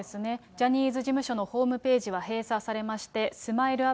ジャニーズ事務所のホームページは閉鎖されまして、ＳＭＩＬＥ